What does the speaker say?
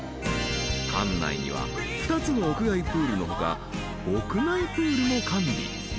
［館内には２つの屋外プールの他屋内プールも完備］